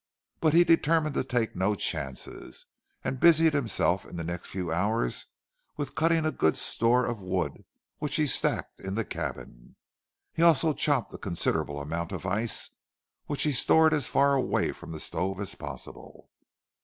But he determined to take no chances, and busied himself in the next few hours with cutting a good store of wood which he stacked in the cabin. He also chopped a considerable amount of ice which he stored as far away from the stove as possible.